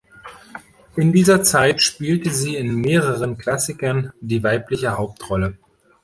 In dieser Zeit spielte sie in mehreren Klassikern die weibliche Hauptrolle.